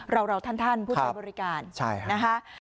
เราท่านผู้ใช้บริการนะคะ